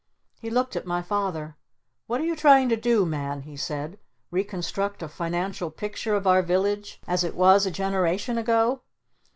He looked at my Father. "What you trying to do, Man?" he said. "Reconstruct a financial picture of our village as it was a generation ago?